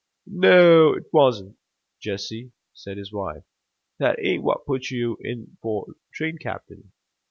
"No, 'twasn't that, Jesse," said his wife. "That ain't what put you in for train captain.